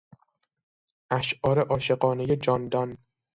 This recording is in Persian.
اشعار عاشقانهی جان دان